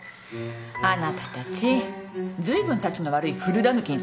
あなたたちずいぶんたちの悪い古だぬきに捕まったわね。